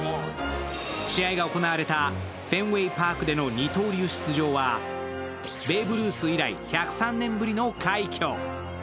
試合が行われたフェンウェイ・パークでの二刀流出場はベーブ・ルース以来１０３年ぶりの快挙。